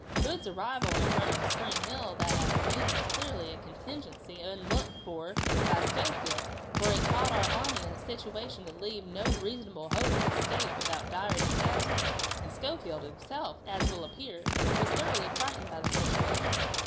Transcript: Hood's arrival in front of Spring Hill that afternoon was clearly a contingency unlooked for by Schofield, for it caught our army in a situation to leave no reasonable hope of escape without dire disaster, and Schofield himself, as will appear, was thoroughly frightened by the situation.